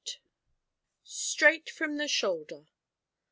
'STRAIGHT FROM THE SHOULDER.'